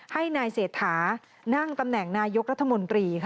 ให้นายเศรษฐานั่งตำแหน่งนายกรัฐมนตรีค่ะ